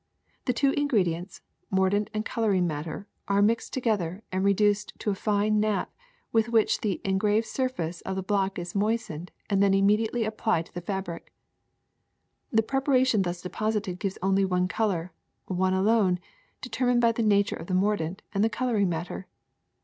The two ingredi ents, mordant and coloring matter, are mixed to gether and reduced to a fine pap with which the en graved surface of the block is moistened and then immediately applied to the fabric. The preparation thus deposited gives only one color, one alone, de termined by the nature of the mordant and the color ing matter.